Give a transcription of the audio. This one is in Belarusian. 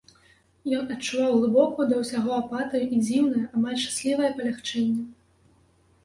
Ён адчуваў глыбокую да ўсяго апатыю і дзіўнае, амаль шчаслівае палягчэнне.